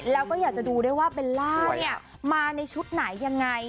แล้วก็อยากจะดูได้ว่าเบลลล่ามาในชุดไหนยังไง